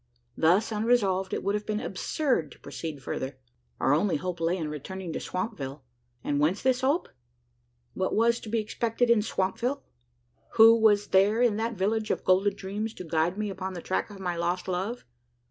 Thus unresolved, it would have been absurd to proceed further. Our only hope lay in returning to Swampville. And whence this hope? What was to be expected in Swampville? Who was there in that village of golden dreams to guide me upon the track of my lost love?